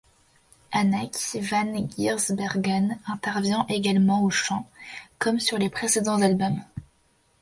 Anneke van Giersbergen intervient également au chant, comme sur les précédents albums.